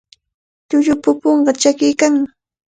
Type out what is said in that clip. Llullupa pupunqa tsakiykannami.